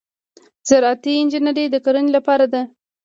زراعتي انجنیری د کرنې لپاره ده.